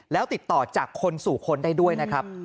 แล้วติดต่อจากคนสู่คนได้ด้วยนะครับ